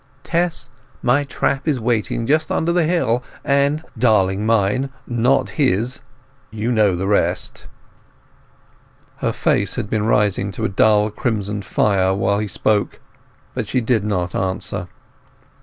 ... Tess, my trap is waiting just under the hill, and—darling mine, not his!—you know the rest." Her face had been rising to a dull crimson fire while he spoke; but she did not answer.